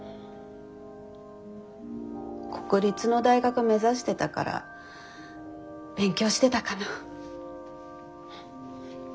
国立の大学目指してたから勉強してたかな。